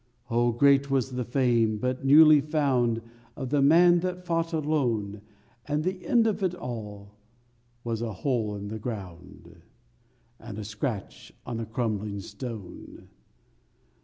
_Oh, great was the fame but newly found Of the man that fought alone! And the end of it all was a hole in the ground And a scratch on a crumbling stone.